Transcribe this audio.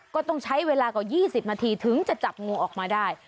ก็ต้องใช้เวลากว่า๒๐นาทีถึงจะจับงูออกมาได้